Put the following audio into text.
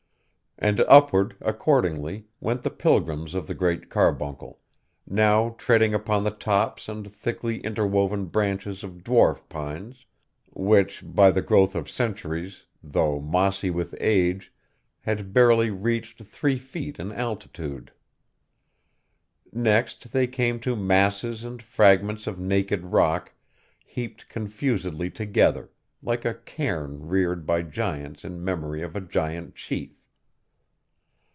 And upward, accordingly, went the pilgrims of the Great Carbuncle, now treading upon the tops and thickly interwoven branches of dwarf pines, which, by the growth of centuries, though mossy with age, had barely reached three feet in altitude. Next, they came to masses and fragments of naked rock heaped confusedly together, like a cairn reared by giants in memory of a giant chief.